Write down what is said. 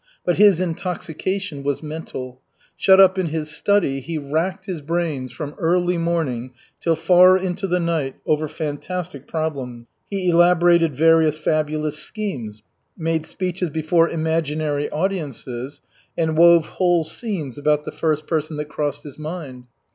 But his intoxication was mental. Shut up in his study, he racked his brains from early morning till far into the night over fantastic problems. He elaborated various fabulous schemes, made speeches before imaginary audiences, and wove whole scenes about the first person that crossed his mind.